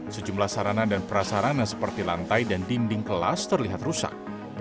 sejumlah sarana dan prasarana seperti lantai dan dinding kelas terlihat rusak